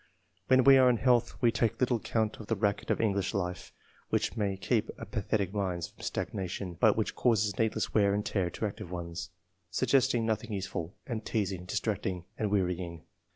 When we are in health we take little count of the racket of English life, which may keep apa thetic minds from stagnation, but which causes needless wear and tear to active ones, suggest ing nothing useful, and teasing, distracting and wearying.